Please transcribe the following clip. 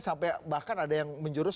sampai bahkan ada yang menjurus